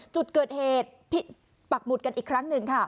จุดเกิดเหตุปักหมุดกันอีกครั้งหนึ่งค่ะ